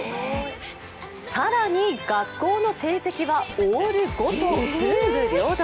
更に学校の成績はオール５と文武両道。